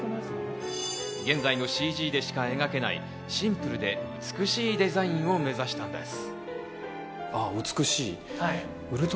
現在のＣＧでしか描けないシンプルで美しいデザインを目指したのです。